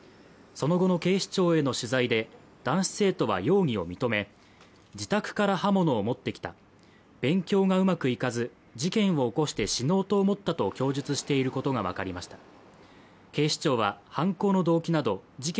その後の警視庁への取材で、男子生徒は容疑を認め自宅から刃物を持ってきた、勉強がうまくいかず、事件を起こして死のうと思ったと供述していることが分かりました。